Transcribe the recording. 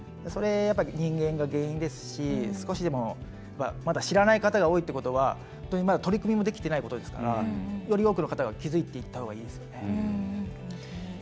それ、やっぱ人間が原因ですし少しでも、まだ知らない方が多いってことは、まだ取り組みもできてないことですからより多くの方が気付いていったほうがいいですね。